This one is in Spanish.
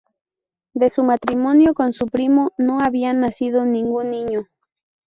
De su matrimonio con su primo no había nacido ningún niño.